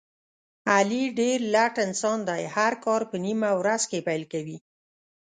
علي ډېر لټ انسان دی، هر کار په نیمه ورځ کې پیل کوي.